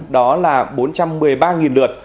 đó là bốn trăm một mươi ba lượt